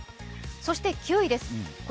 そして９位です。